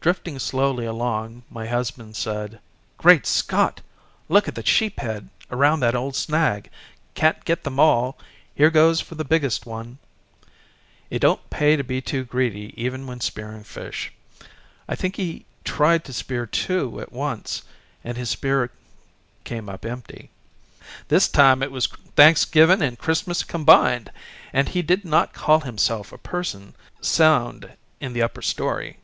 Drifting slowly along my husband said "Great Scott! look at the sheephead around that old snag, can't get them all, here goes for the biggest one." It don't pay to be too greedy even in spearing fish, I think he tried to spear two at once, and his spear came up empty. This time it was thanksgiving and Christmas combined; and he did not call himself a person sound in the upper story.